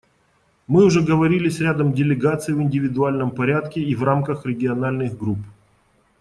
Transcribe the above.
Мы уже говорили с рядом делегаций в индивидуальном порядке и в рамках региональных групп.